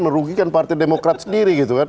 merugikan partai demokrat sendiri gitu kan